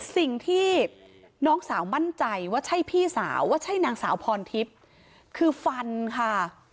สิ่งที่น้องสาวมั่นใจว่าใช่พี่สาวว่าใช่นางสาวพรทิพย์คือฟันค่ะ